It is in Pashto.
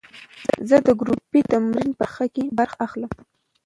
زه د ګروپي تمرین په برخه کې برخه اخلم.